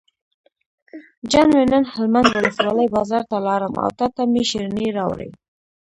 جان مې نن هلمند ولسوالۍ بازار ته لاړم او تاته مې شیرینۍ راوړې.